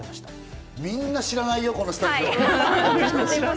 みんな知らないよ、このスタジオ。